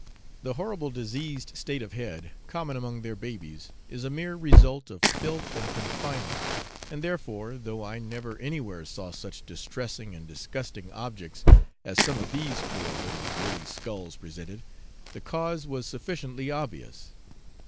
The horrible diseased state of head, common among their babies, is a mere result of filth and confinement, and therefore, though I never anywhere saw such distressing and disgusting objects as some of these poor little woolly skulls presented, the cause was sufficiently obvious.